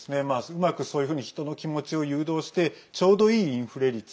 うまくそういうふうに人の気持ちを誘導してちょうどいいインフレ率